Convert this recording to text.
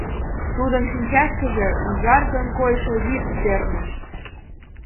Тудын шинчашкыже ужаргын койшо вӱд перныш.